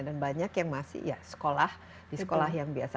dan banyak yang masih sekolah di sekolah yang biasa